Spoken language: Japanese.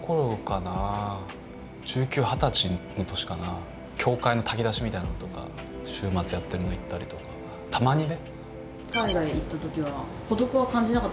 ディーンさんって教会の炊き出しみたいなのとか週末やってるの行ったりとかたまにね。